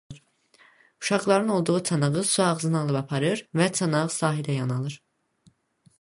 Uşaqların olduğu çanağı su ağzına alıb aparır və çanaq sahilə yan alır.